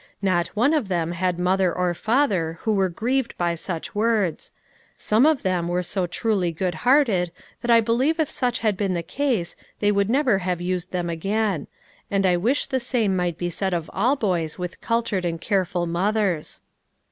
Not one of them had mother or father who were grieved by such words ; some of them were so truly good hearted that I believe THE CONCERT. 265 if such had been the case, they would never have used them again ; and I wish the same might be said of all boys with cultured and care ful mothers.)